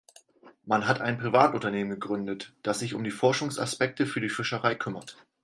Man hat ein Privatunternehmen gegründet, das sich um die Forschungsaspekte für die Fischerei kümmert.